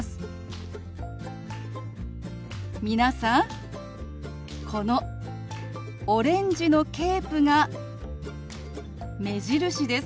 皆さんこのオレンジのケープが目印です。